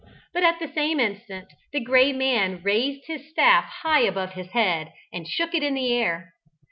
But, at the same instant, the Gray Man raised his staff high above his head and shook it in the air.